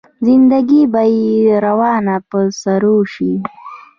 زنده ګي به يې روانه په سرور شي